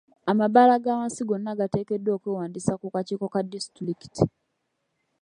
Amabaala g'awansi gonna gateekeddwa okwewandiisa ku kakiiko ka disitulikiti.